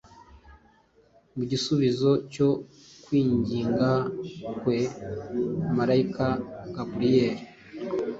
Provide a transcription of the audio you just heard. Mu gisubizo cyo kwinginga kwe malayika Gaburiyeli